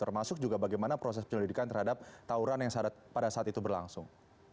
termasuk juga bagaimana proses penyelidikan terhadap tawuran yang pada saat itu berlangsung